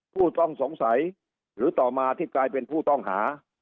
ผู้ต้องสงสัยหรือต่อมาที่กลายเป็นผู้ต้องหา